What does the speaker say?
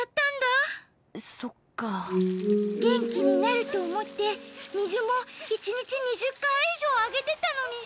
げんきになるとおもってみずもいちにち２０かいいじょうあげてたのにさ。